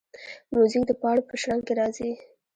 موزیک د پاڼو په شرنګ کې راځي.